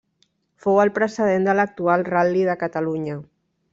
Fou el precedent de l'actual Ral·li de Catalunya.